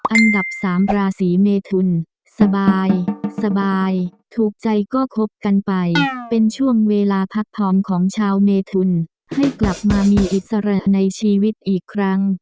อันดับ๓ราศีเมทุนสบายถูกใจก็คบกันไปเป็นช่วงเวลาพักพร้อมของชาวเมทุนให้กลับมามีอิสระในชีวิตอีกครั้ง